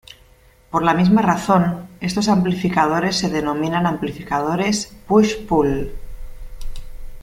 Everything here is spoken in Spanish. Por la misma razón, estos amplificadores se denominan amplificadores "push-pull".